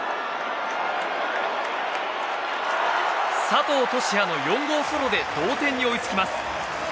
佐藤都志也の４号ソロで同点に追いつきます。